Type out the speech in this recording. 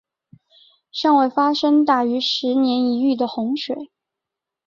尚未发生大于十年一遇的洪水。